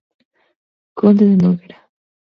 Conde de Noguera.